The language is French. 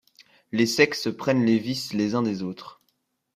Les sexes prennent les vices les uns des autres.